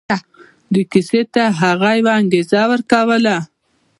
دې کيسې هغه ته يوه انګېزه ورکوله.